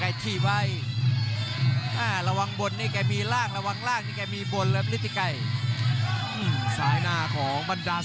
ยังจะล้วงลำตัว